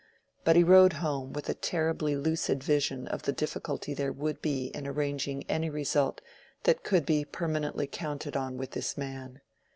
But he rode home with a terribly lucid vision of the difficulty there would be in arranging any result that could be permanently counted on with this man.